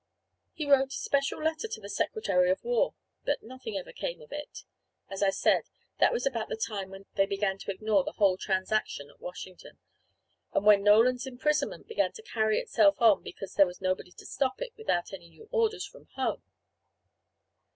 He wrote a special letter to the Secretary of War. But nothing ever came of it. As I said, that was about the time when they began to ignore the whole transaction at Washington, and when Nolan's imprisonment began to carry itself on because there was nobody to stop it without any new orders from home.